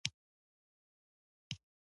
آريا د آرمل لور ده.